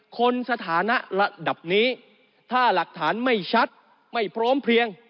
สถานะระดับนี้ถ้าหลักฐานไม่ชัดไม่พร้อมเพลียง